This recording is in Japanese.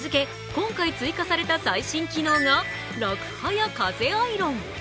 今回、追加された最新機能がらくはや風アイロン。